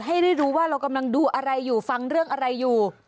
ให้ได้รู้ว่าเรากำลังดูอะไรอยู่ฟังเรื่องอะไรอยู่